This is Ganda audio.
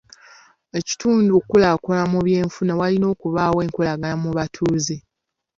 Ekitundu okukulaakulana mu by'enfuna, walina okubaawo enkolagana mu batuuze.